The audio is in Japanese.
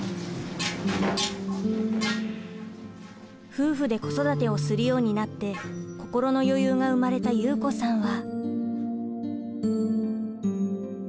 夫婦で子育てをするようになって心の余裕が生まれた祐子さんは。